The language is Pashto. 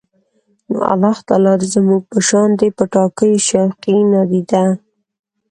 نو الله تعالی دې زموږ په شان د پټاکیو شوقي، نادیده